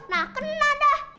nah kena dah